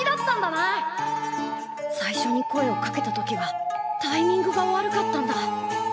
最初に声をかけた時はタイミングが悪かったんだ。